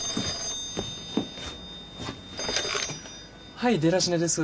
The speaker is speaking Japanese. はいデラシネです。